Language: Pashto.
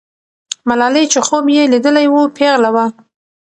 ملالۍ چې خوب یې لیدلی وو، پیغله وه.